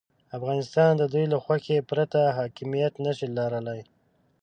افغانستان د دوی له خوښې پرته حاکمیت نه شي لرلای.